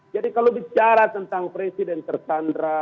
jadi kalau bicara tentang presiden tersandra